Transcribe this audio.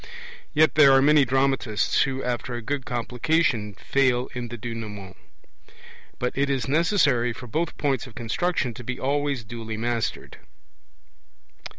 Yet there are many dramatists who, after a good Complication, fail in the Denouement. But it is necessary for both points of construction to be always duly mastered.